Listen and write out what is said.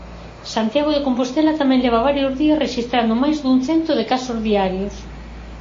Santiago de Compostela tamén leva varios días rexistrando máis dun cento de casos diarios.